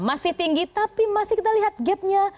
masih tinggi tapi masih kita lihat gap nya